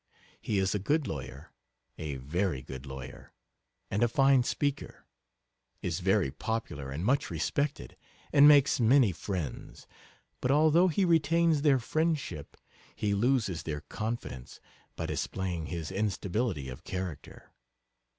He is a good lawyer a, very good lawyer and a fine speaker is very popular and much respected, and makes many friends; but although he retains their friendship, he loses their confidence by displaying his instability of character.....